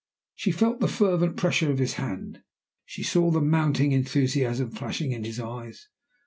She felt the fervent pressure of his hand; she saw the mounting enthusiasm flashing in his eyes.